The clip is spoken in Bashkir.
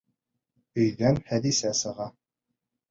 Өйҙән Хәҙисә сыға.